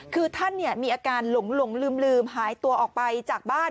คือท่านมีอาการหลงลืมหายตัวออกไปจากบ้าน